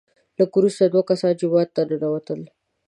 لږ وروسته دوه کسان جومات ته ننوتل،